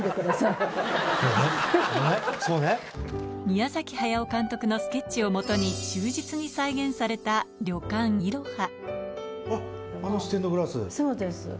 宮崎駿監督のスケッチを基に忠実に再現された旅館いろはうわ！